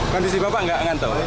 kondisi bapak nggak ngantau